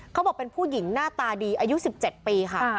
เขาบอกเป็นผู้หญิงหน้าตาดีอายุ๑๗ปีค่ะ